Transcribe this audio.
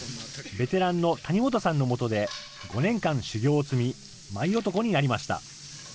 ベテランの谷本さんの下で５年間修行を積み、舞男になりました。